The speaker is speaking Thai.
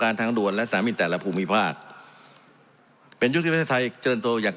ทางด่วนและสามีแต่ละภูมิภาคเป็นยุคที่ประเทศไทยเจริญตัวอย่าง